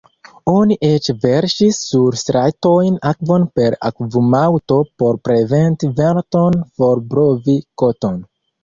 Oni eĉ verŝis sur stratojn akvon per akvumaŭto por preventi venton forblovi koton.